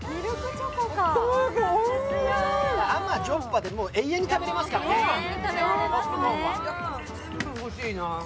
甘じょっぱで永遠に食べられますからねポップコーンは。